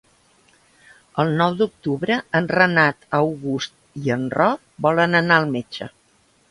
El nou d'octubre en Renat August i en Roc volen anar al metge.